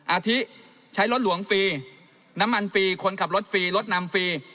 อาทิใช้รถหลวงฟรีน้ำมันฟรีคนขับรถฟรีรถนำฟรี